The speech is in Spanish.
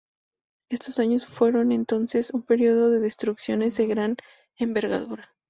Estos años fueron entonces un periodo de destrucciones de gran envergadura.